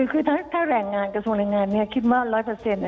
คือถ้าแหล่งงานกระทรวงแหล่งงานนี่คิดว่า๑๐๐เลยนะคะ